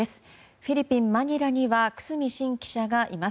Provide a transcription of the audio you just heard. フィリピン・マニラには久須美慎記者がいます。